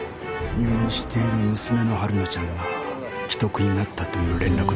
入院している娘の春菜ちゃんが危篤になったという連絡だった。